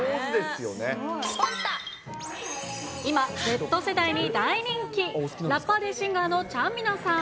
今、Ｚ世代に大人気、ラッパーでシンガーのちゃんみなさん。